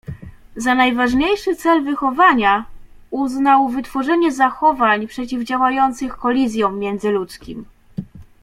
Za najważniejszy cel wychowania uznał wytworzenie zachowań przeciwdziałających kolizjom międzyludzkim